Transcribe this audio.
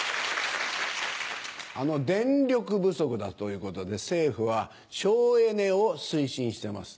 電力不足だということで政府は省エネを推進してます。